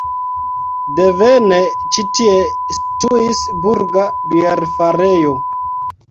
Devene ĉi tie situis burga bierfarejo.